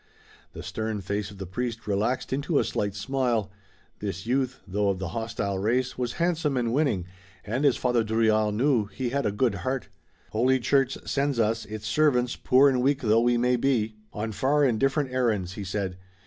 The stern face of the priest relaxed into a slight smile. This youth, though of the hostile race, was handsome and winning, and as Father Drouillard knew, he had a good heart. "Holy Church sends us, its servants, poor and weak though we may be, on far and different errands," he said.